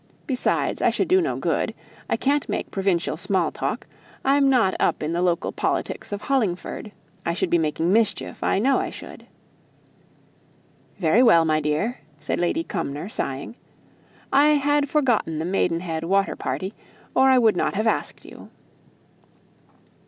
Besides, I should do no good. I can't make provincial small talk; I'm not up in the local politics of Hollingford. I should be making mischief, I know I should." "Very well, my dear," said Lady Cumnor, sighing, "I had forgotten the Maidenhead water party, or I would not have asked you."